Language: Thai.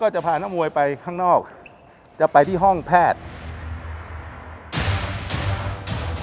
จะไปที่ห้องแพทย์